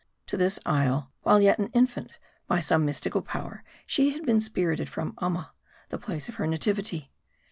To this isle, while yet an infant, by some mystical power, she had been spirited from Amma, the place of her nativity.